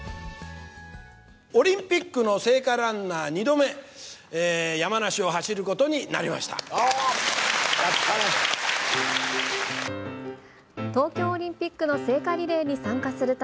オリンピックの聖火ランナー２度目、山梨を走ることになりました。